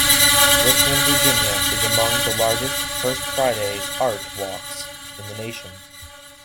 Richmond, Virginia is among the largest First Fridays art walks in the nation.